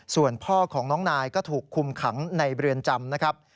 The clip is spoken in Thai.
ส่วนพ่อของน้องนายก็ถูกคุมขังในเรือนจำนะครับ